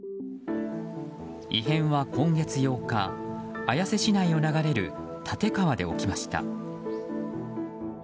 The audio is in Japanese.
異変は、今月８日綾瀬市内を流れる蓼川で起きました。